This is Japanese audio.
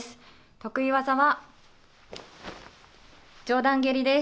得意技は上段蹴りです。